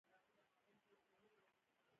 چین یې ښه مثال دی چې په دې برخه کې بریالی دی.